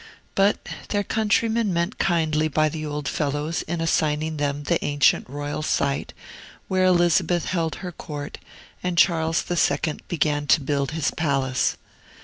But their countrymen meant kindly by the old fellows in assigning them the ancient royal site where Elizabeth held her court and Charles II. began to build his palace.